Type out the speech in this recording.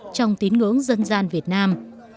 trong tín ngưỡng dân gian việt nam